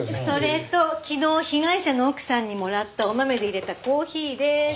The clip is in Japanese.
それと昨日被害者の奥さんにもらったお豆で入れたコーヒーです。